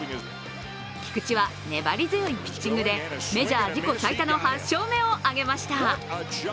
菊池は粘り強いピッチングでメジャー自己最多の８勝を挙げました。